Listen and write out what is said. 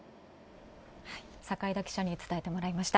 坂井田記者に伝えてもらいました。